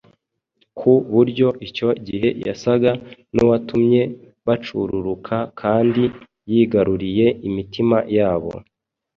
ku buryo icyo gihe yasaga n’uwatumye bacururuka kandi yigaruriye imitima yabo.